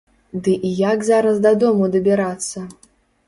Ды і як зараз дадому дабірацца?